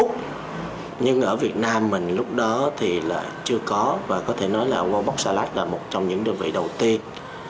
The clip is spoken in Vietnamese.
tùng anh là một trong những đơn vị đầu tiên